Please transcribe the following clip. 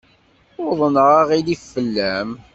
Uḍneɣ aɣilif fell-am.